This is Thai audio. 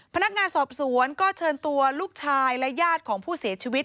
พนักงานสอบสวนก็เชิญตัวลูกชายและญาติของผู้เสียชีวิต